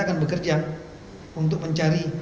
akan bekerja untuk mencari